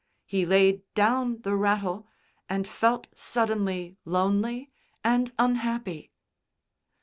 He laid down the rattle, and felt suddenly lonely and unhappy.